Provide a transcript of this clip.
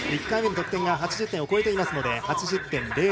１回目の得点が８０点を超えていますので８０．０１。